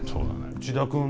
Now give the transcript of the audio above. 内田君。